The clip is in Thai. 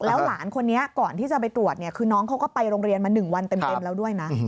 หลานคนนี้ก่อนที่จะไปตรวจเนี่ยคือน้องเขาก็ไปโรงเรียนมา๑วันเต็มแล้วด้วยนะ